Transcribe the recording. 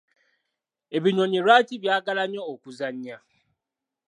Ebinyonyi lwaki byagala nnyo okuzannya?